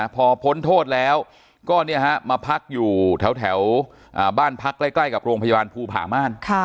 พอพ้นโทษแล้วก็มาพักอยู่แถวบ้านพักใกล้กับโรงพยาบาลภูผาม่าน